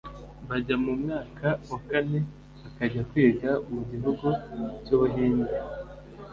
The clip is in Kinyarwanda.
bajya mu mwaka wa kane bakajya kwiga mu gihugu cy’ u Buhinde